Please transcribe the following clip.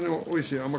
おいしい。